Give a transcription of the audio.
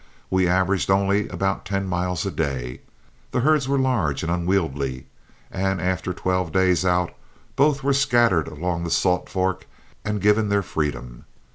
We averaged only about ten miles a day, the herds were large and unwieldy, and after twelve days out both were scattered along the Salt Fork and given their freedom.